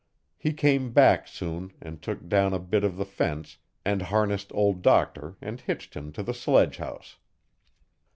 He came back soon and took down a bit of the fence and harnessed Old Doctor and hitched him to the sledgehouse.